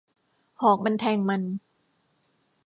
หอกมันแทงมัน